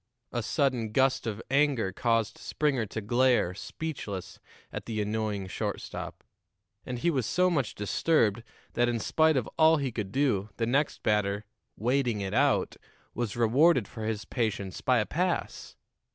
A sudden gust of anger caused Springer to glare, speechless, at the annoying shortstop; and he was so much disturbed that, in spite of all he could do, the next batter, "waiting it out," was rewarded for his patience by a pass.